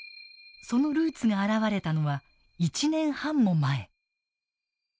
そのルーツが現れたのは１年半も前。